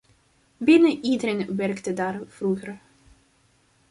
Bijna iedereen werkte daar vroeger.